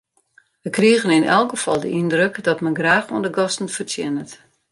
Wy krigen yn elk gefal de yndruk dat men graach oan de gasten fertsjinnet.